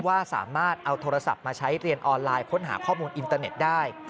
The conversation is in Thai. ว่าสามารถเอาโทรศัพท์มาใช้เรียนออนไลน์ค้นหาข้อมูลอินเตอร์เน็ตได้